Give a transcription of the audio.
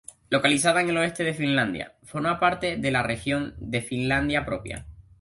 Localizada en el oeste de Finlandia, forma parte de la región de Finlandia Propia.